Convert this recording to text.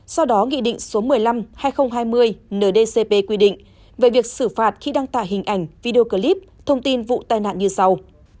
sau đó nghị định số một mươi năm hai nghìn hai mươi ndcp quy định về việc xử phạt khi đăng tải hình ảnh video clip thông tin vụ tai nạn như sau